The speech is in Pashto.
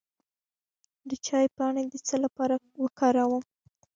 د چای پاڼې د څه لپاره وکاروم؟